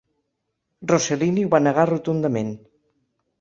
Rossellini ho va negar rotundament.